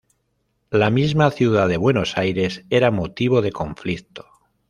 La misma ciudad de Buenos Aires era motivo de conflicto.